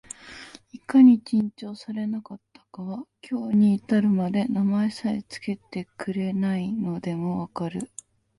いかに珍重されなかったかは、今日に至るまで名前さえつけてくれないのでも分かる